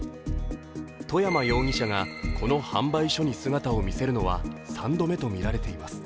外山容疑者がこの販売所に姿を見せるのは３度目とみられています。